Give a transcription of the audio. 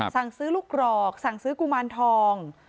สั่งซื้อลูกกรอกสั่งซื้อกุมารทอง